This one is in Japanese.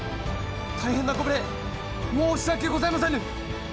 大変なご無礼申し訳ございませぬ！